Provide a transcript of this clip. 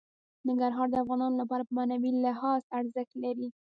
ننګرهار د افغانانو لپاره په معنوي لحاظ ارزښت لري.